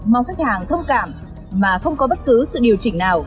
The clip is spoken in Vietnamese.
mong khách hàng thông cảm mà không có bất cứ sự điều chỉnh nào